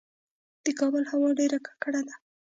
د کابل هوا ډیره ککړه ده